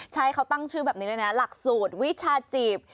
ใช่เขาตั้งชื่อแบบนี้เลยนะหลักสูตรวิชาจีบ